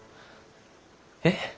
えっ？